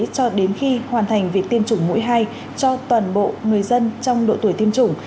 cho đến khi hoàn thành việc tiêm chủng mũi hai cho toàn bộ người dân trong độ tuổi tiêm chủng